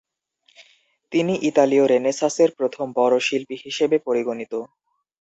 তিনি ইতালীয় রেনেসাঁসের প্রথম বড় শিল্পী হিসেবে পরিগণিত।